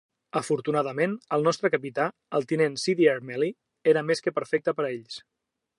Afortunadament, el nostre capità, el tinent Cdr Melly, era més que perfecte per a ells.